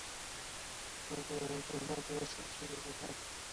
每个人背后都有数不清的精彩